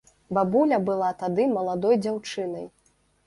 Бабуля была тады маладой дзяўчынай.